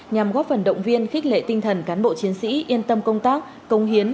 nhằm góp phần động viên khích lệ tinh thần cán bộ chiến sĩ yên tâm công tác công hiến